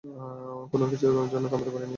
কোনকিছুর জন্যই থামতে পারিনি।